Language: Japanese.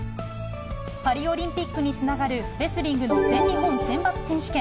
パリオリンピックにつながる、レスリングの全日本選抜選手権。